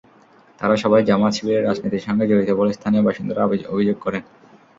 তাঁরা সবাই জামায়াত-শিবিরের রাজনীতির সঙ্গে জড়িত বলে স্থানীয় বাসিন্দারা অভিযোগ করেন।